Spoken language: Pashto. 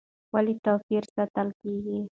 ولې توپیر ساتل کېږي؟